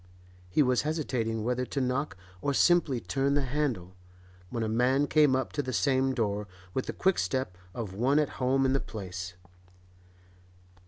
He was hesitating whether to knock or simply turn the handle, when a man came up to the same door, with the quick step of one at home in the place.